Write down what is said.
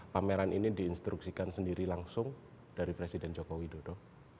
pameran ini diinstruksikan sendiri langsung dari presiden joko widodo